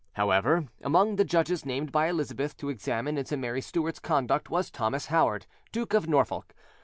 However, among the judges named by Elizabeth to examine into Mary Stuart's conduct was Thomas Howard, Duke of Norfolk.